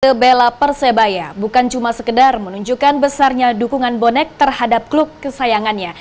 kebela persebaya bukan cuma sekedar menunjukkan besarnya dukungan bonek terhadap klub kesayangannya